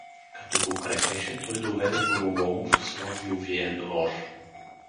Като го крепеше, той доведе Гороломов в Славювия двор.